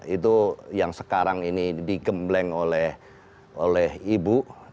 itu yang sekarang ini digembleng oleh ibu